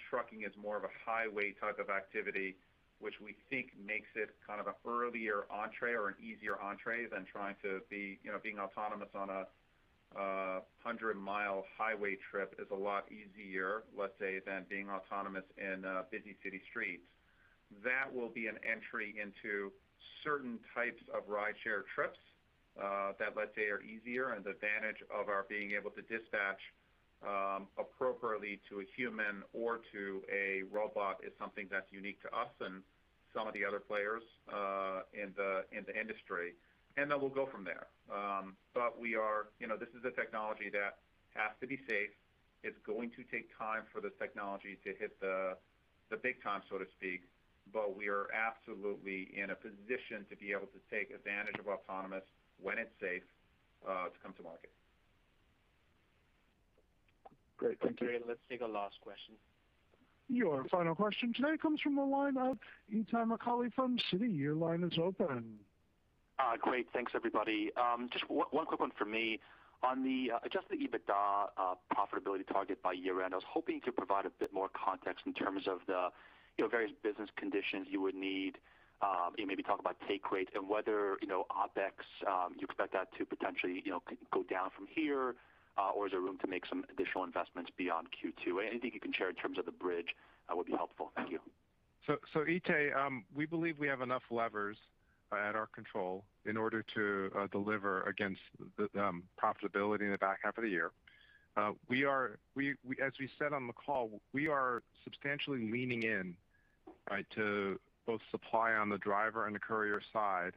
Trucking is more of a highway type of activity, which we think makes it an earlier entree or an easier entree than trying to be autonomous on a 100 mi highway trip is a lot easier, let's say, than being autonomous in busy city streets. That will be an entry into certain types of rideshare trips that, let's say, are easier, and the advantage of our being able to dispatch appropriately to a human or to a robot is something that's unique to us and some of the other players in the industry, then we'll go from there. This is a technology that has to be safe. It's going to take time for this technology to hit the big time, so to speak, but we are absolutely in a position to be able to take advantage of autonomous when it's safe to come to market.
Great, thank you.
Operator, let's take a last question.
Your final question today comes from the line of Itai Michaeli from Citi, your line is open.
Great, thanks, everybody. Just one quick one for me, on the adjusted EBITDA profitability target by year-end, I was hoping to provide a bit more context in terms of the various business conditions you would need. Maybe talk about take rate and whether OpEx, do you expect that to potentially go down from here, or is there room to make some additional investments beyond Q2? Anything you can share in terms of the bridge would be helpful? Thank you.
Itai, we believe we have enough levers at our control in order to deliver against the profitability in the back half of the year. As we said on the call, we are substantially leaning in to both supply on the driver and the courier side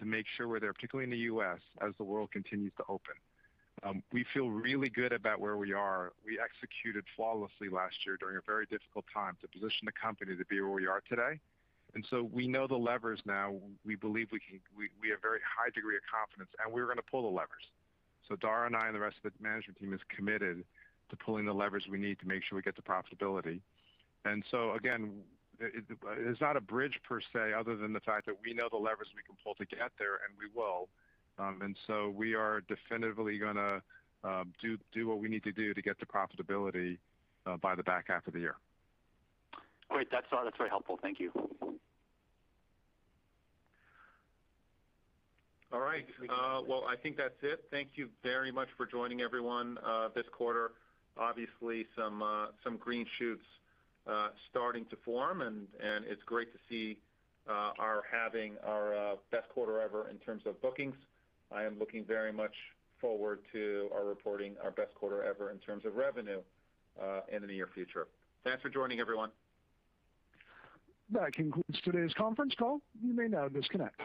to make sure we're there, particularly in the U.S., as the world continues to open. We feel really good about where we are. We executed flawlessly last year during a very difficult time to position the company to be where we are today. We know the levers now. We have a very high degree of confidence, and we're going to pull the levers. Dara and I and the rest of the management team is committed to pulling the levers we need to make sure we get to profitability. Again, it's not a bridge per se, other than the fact that we know the levers we can pull to get there, and we will. We are definitively going to do what we need to do to get to profitability by the back half of the year.
Great, that's all, that's very helpful, thank you.
All right, well, I think that's it. Thank you very much for joining, everyone. This quarter, obviously, some green shoots starting to form, and it's great to see our having our best quarter ever in terms of bookings. I am looking very much forward to our reporting our best quarter ever in terms of revenue in the near future. Thanks for joining, everyone.
That concludes today's conference call, you may now disconnect.